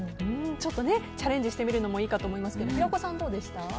チャレンジしてみるのもいいかと思いますけど平子さん、どうでしたか？